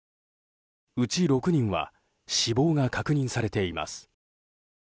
うち６人は死亡が確認されています。